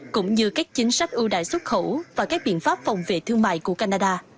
cũng như các chính sách ưu đại xuất khẩu và các biện pháp phòng vệ thương mại của canada